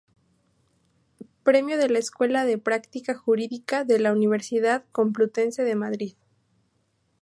Premio de la Escuela de Práctica Jurídica de la Universidad Complutense de Madrid.